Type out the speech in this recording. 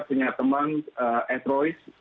punya teman ed royce